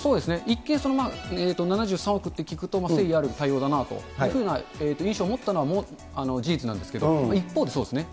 一見、７３億って聞くと、誠意ある対応だなというふうな印象を持ったのは事実なんですけど、一方でそうですね。